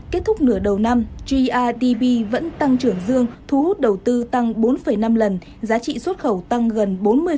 kết thúc nửa đầu năm grdp vẫn tăng trưởng dương thu hút đầu tư tăng bốn năm lần giá trị xuất khẩu tăng gần bốn mươi